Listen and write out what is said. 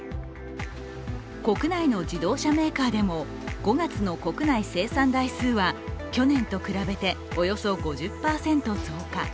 国内の自動車メーカーでも５月の国内生産台数は去年と比べておよそ５０％増加。